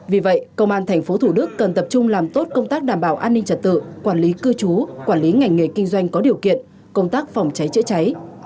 vì vậy công an tp thủ đức cần tập trung làm tốt công tác đảm bảo an ninh trật tự quản lý cư trú quản lý ngành nghề kinh doanh có điều kiện công tác phòng cháy chữa cháy